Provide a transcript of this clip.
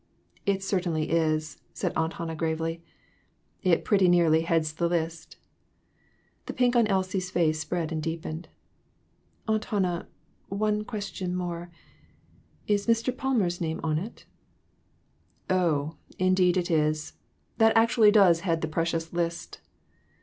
"It certainly is," said Aunt Hannah, gravely; "it pretty nearly heads the list." The pink on Elsie's face spread and deepened. "Aunt Hannah, one question more is Mr. Palm er's name on it ?"" Oh, indeed it is. That does actually head the precious list."